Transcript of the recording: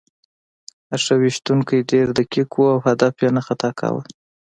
نښه ویشتونکی ډېر دقیق و او هدف یې نه خطا کاوه